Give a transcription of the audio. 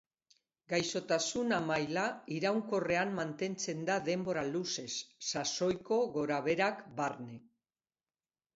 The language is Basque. Gaixotasuna maila iraunkorrean mantentzen da denbora luzez, sasoiko gorabeherak barne.